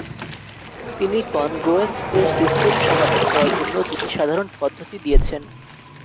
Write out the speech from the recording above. তিনি কনগ্রয়েন্স এর সিস্টেম সমাধান করার জন্য দুটি সাধারণ পদ্ধতি দিয়েছেন।